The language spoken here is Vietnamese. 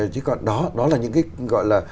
chứ còn đó đó là những cái gọi là